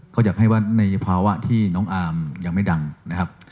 เขาอยากให้ว่าในภาวะที่น้องอาร์มยังไม่ดังนะครับ